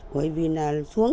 bởi vì là xuống